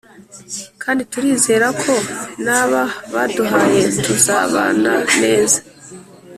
kandi turizera ko n’aba baduhayetuzabana neza